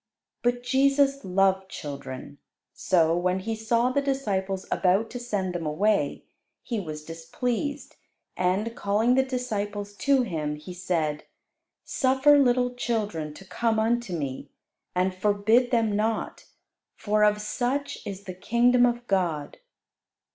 But Jesus loved children. So, when He saw the disciples about to send them away, He was displeased; and, calling the disciples to Him, He said, "Suffer little children to come unto Me, and forbid them not: for of such is the kingdom of God."